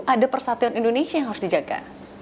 ada persatuan indonesia yang harus dijaga